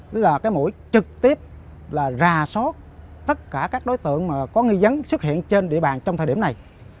mũi một là mũi trực tiếp là rà soát tất cả các đối tượng có nghi vấn xuất hiện trên địa bàn trong thời điểm này